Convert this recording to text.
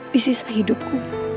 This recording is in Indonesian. di sisa hidupku